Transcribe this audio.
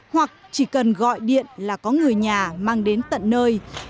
hoặc chỉ cần gọi điện là có người nhà mang đến tận nơi